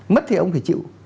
mất thì ông phải chịu